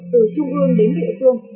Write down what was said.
từ trung ương đến địa phương